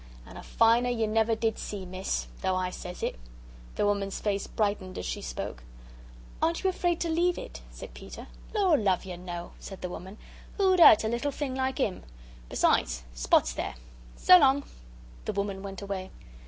"And a finer you never did see, Miss, though I says it." The woman's face brightened as she spoke. "Aren't you afraid to leave it?" said Peter. "Lor' love you, no," said the woman; "who'd hurt a little thing like 'im? Besides, Spot's there. So long!" The woman went away.